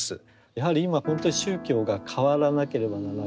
やはり今本当に宗教が変わらなければならない。